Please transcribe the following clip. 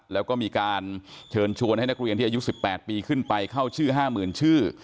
แล้วก็มีการเชิญชวนให้นักเรียนที่อายุ๑๘ปีขึ้นไปเข้าชื่อ๕๐๐๐ชื่อ